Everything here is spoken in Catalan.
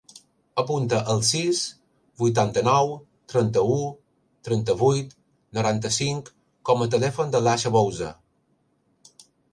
Apunta el sis, vuitanta-nou, trenta-u, trenta-vuit, noranta-cinc com a telèfon de l'Aixa Bouza.